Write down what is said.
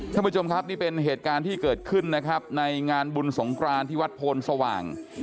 ท่านผู้ชมครับนี่เป็นเหตุการณ์ที่เกิดขึ้นนะครับในงานบุญสงครานที่วัดโพนสว่าง